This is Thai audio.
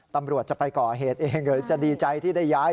ตำรวจจะไปก่อเหตุเองหรือจะดีใจที่ได้ย้าย